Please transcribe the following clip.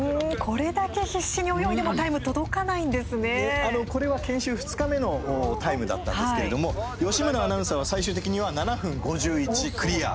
これは研修２日目のタイムだったんですけれども義村アナウンサーは最終的には７分５１、クリア。